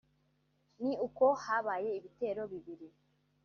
ni uko habaye ibitero bibiri